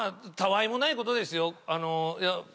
たわいもないことですよ。